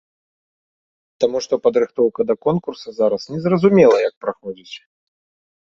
Таму што падрыхтоўка да конкурса зараз незразумела як праходзіць!